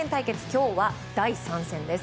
今日は第３戦です。